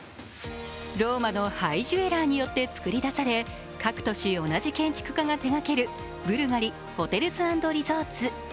ローマのハイジュエラーによってつくり出され、各都市同じ建築家が手がけるブルガリホテルズ＆リゾーツ。